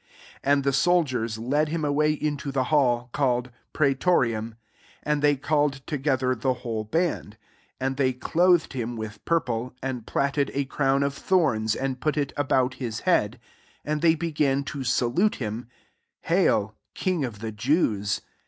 16 And the soldiers led him away into the hall/ called Pra^* toriumn and they called toge* ther the whole band ; 17 and they clothed him with purple^ and platted a crown of thornst and put it about his h^ad : 18 and they began to^alute hiiU| « H^l, kipg of the Jews.